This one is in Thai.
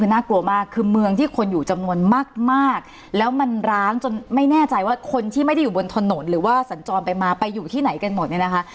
คือน่ากลัวมากคือเมืองที่คนอยู่จำนวนมากแล้วมันร้างจนไม่แน่ใจว่าคนที่ไม่ได้อยู่บนถนนหรือว่าสัญจรไปมาไปอยู่ที่ไหนกันหมดเนี่ยนะคะ